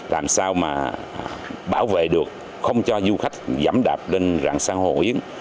làm sao mà bảo vệ được không cho du khách giảm đạp lên dạng san hô hòn yến